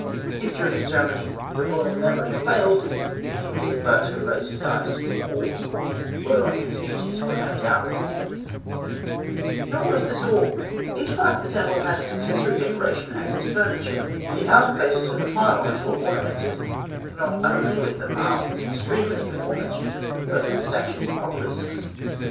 If during the ceremony the royal memory failed, the king needed but to raise his eyes to the wall, whereon his duties were mapped out for him. [Illustration: Fig. 108. Obelisk of Ûsertesen I., of Heliopolis.] Nor was this all. Each part of the temple had its accessory decoration and its furniture. The outer faces of the pylons were ornamented, not only with the masts and streamers before mentioned, but with statues and obelisks.